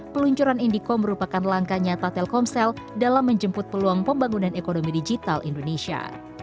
peluncuran indiko merupakan langkah nyata telkomsel dalam menjemput peluang pembangunan ekonomi digital indonesia